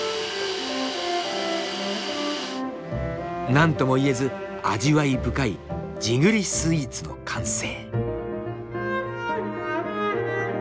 何ともいえず味わい深い地栗スイーツの完成。